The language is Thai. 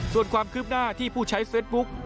ส่วนความคืบหน้าที่ผู้ใช้เฟสบุ๊ก